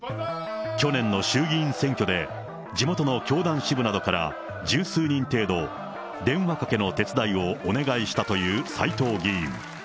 去年の衆議院選挙で、地元の教団支部などから十数人程度、電話かけの手伝いをお願いしたという斎藤議員。